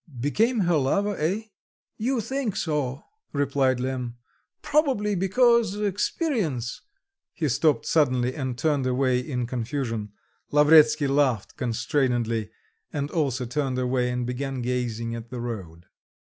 became her lover, eh?" "You think so," replied Lemm, "probably because experience," he stopped suddenly and turned away in confusion. Lavretsky laughed constrainedly, and also turned away and began gazing at the road.